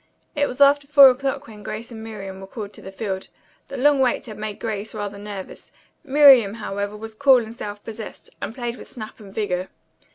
It was after four o'clock when Grace and Miriam were called to the field. The long wait had made Grace rather nervous. Miriam, however, was cool and self possessed, and played with snap and vigor.